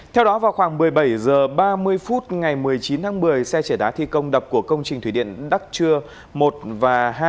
theo đó vào khoảng một mươi bảy h ba mươi phút ngày một mươi chín tháng một mươi xe trẻ đá thi công đập của công trình thủy điện đắc trưa một và hai